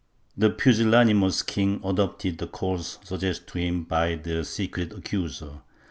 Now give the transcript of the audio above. The pusillanimous king adopted the course suggested to him by the secret accuser.